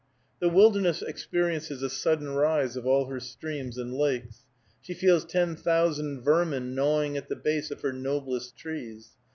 The wilderness experiences a sudden rise of all her streams and lakes. She feels ten thousand vermin gnawing at the base of her noblest trees.